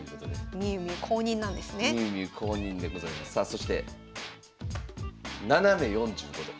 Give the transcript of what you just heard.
そして「斜め４５度」。